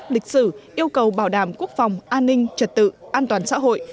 lịch sử yêu cầu bảo đảm quốc phòng an ninh trật tự an toàn xã hội